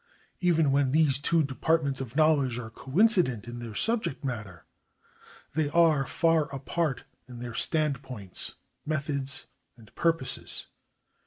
Even when these two departments of knowledge are coincident in their subject matter, they are far apart in their standpoints, methods, and purposes.